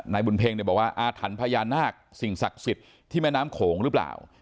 บุญเพ็งเนี่ยบอกว่าอาถรรพ์พญานาคสิ่งศักดิ์สิทธิ์ที่แม่น้ำโขงหรือเปล่า